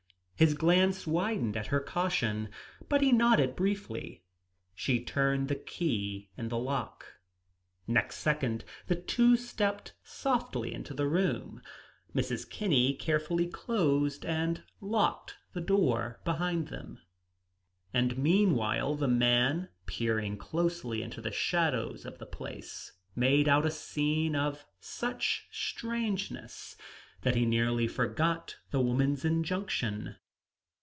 His glance widened at her caution, but he nodded briefly. She turned the key in the lock. Next second the two stepped softly into the room. Mrs. Kinney carefully closed and locked the door behind them; and meanwhile the man, peering closely into the shadows of the place, made out a scene of such strangeness that he nearly forgot the woman's injunction.